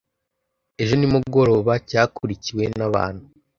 ejo nimugoroba cyakurikiwe n'abantu